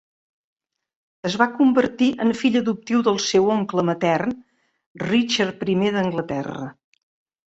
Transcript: Es va convertir en fill adoptiu del seu oncle matern, Richard I d'Anglaterra.